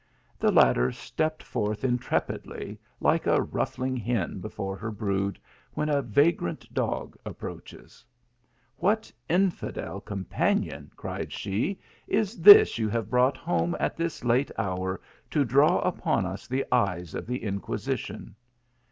The latter stepped forth intrepidly, like a ruffling hen before her brood, when a vagrant dog approaches. "What infidel companion," cried she, "is this you have brought home at this late hour, to draw upon us the eyes of the Inquisition